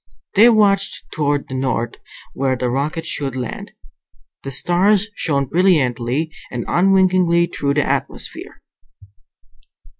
They watched toward the north, where the rocket should land. The stars shone brilliantly and unwinkingly through the atmosphere.